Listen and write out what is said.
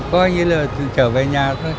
coi như là trở về nhà thôi